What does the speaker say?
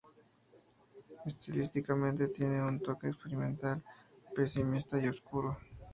Estilísticamente tiene un toque experimental, pesimista y oscuro.